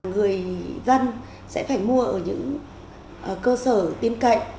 người dân sẽ phải mua ở những cơ sở tiêm cạnh